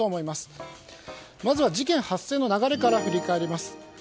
まずは事件発生の流れから振り返ります。